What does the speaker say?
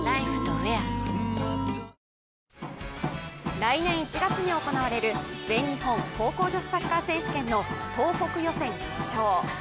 来年１月に行われる全日本高校女子サッカー選手権の東北予選決勝。